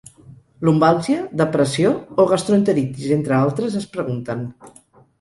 Lumbàlgia, depressió o gastroenteritis, entre altres, es pregunten.